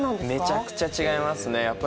めちゃくちゃ違いますね